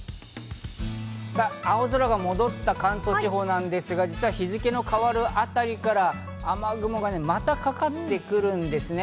青空が戻った関東地方なんですが、実は日付の変わるあたりから雨雲がまたかかってくるんですね。